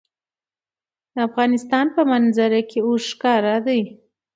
د افغانستان په منظره کې اوښ ښکاره ده.